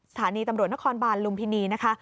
สถานีตำรวจนครบาลลุมพินีนะคะ